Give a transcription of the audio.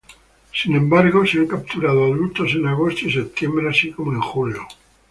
Sin embargo, se han capturado adultos en agosto y septiembre, así como en julio.